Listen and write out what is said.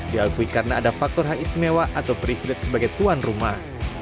diakui karena ada faktor hak istimewa atau privilege sebagai tuan rumah